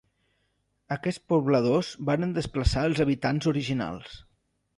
Aquests pobladors varen desplaçar els habitants originals.